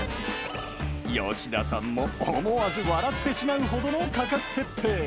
吉田さんも思わず笑ってしまうほどの価格設定。